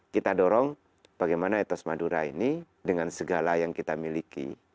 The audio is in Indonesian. kita dorong bagaimana etos madura ini dengan segala yang kita miliki